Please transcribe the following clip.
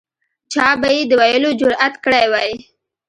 چا به یې د ویلو جرأت کړی وای.